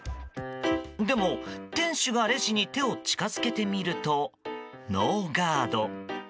でも、店主がレジに手を近づけてみるとノーガード。